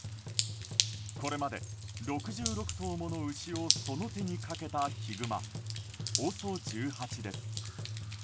これまで６６頭もの牛をその手にかけたヒグマＯＳＯ１８です。